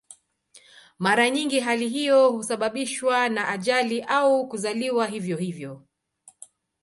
Mara nyingi hali hiyo husababishwa na ajali au kuzaliwa hivyo hivyo.